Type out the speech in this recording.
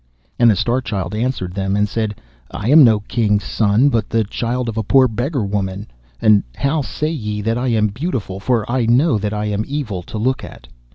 And the Star Child answered them and said, 'I am no king's son, but the child of a poor beggar woman. And how say ye that I am beautiful, for I know that I am evil to look at?